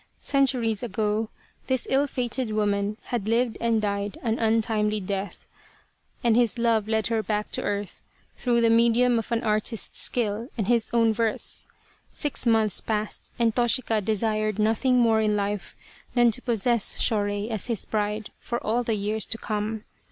Centuries ago this ill fated woman had lived and died an untimely death, and his love led her back to earth through the medium of an artist's skill and his own verse. Six months passed and Toshika desired no thing more in life than to possess Shorei as his bride for all the years to come.